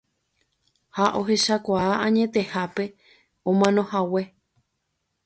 Ha ohechakuaa añetehápe omanohague.